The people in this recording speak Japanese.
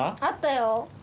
あったよ。